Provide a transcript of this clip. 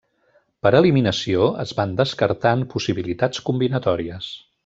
Per eliminació, es van descartant possibilitats combinatòries.